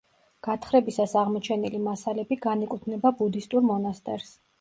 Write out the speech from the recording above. გათხრებისას აღმოჩენილი მასალები განეკუთვნება ბუდისტურ მონასტერს.